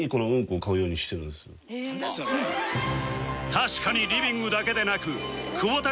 確かにリビングだけでなくホントだ。